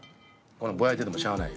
ぼやいててもしゃあない。